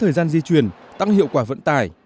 thời gian di chuyển tăng hiệu quả vận tải